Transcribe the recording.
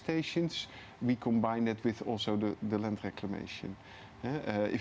kami juga menggabungkannya dengan reklamasi tanah